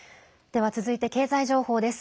では続いて経済情報です。